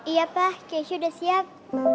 iya pak keisha udah siap